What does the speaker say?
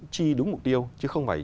chi đúng mục tiêu chứ không phải